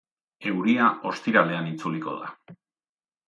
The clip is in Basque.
Euria ostiralean itzuliko da.